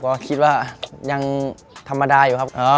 ก็คิดว่ายังธรรมดาอยู่ครับ